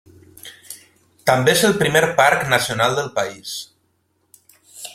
També és el primer parc nacional del país.